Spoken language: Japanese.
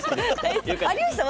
有吉さん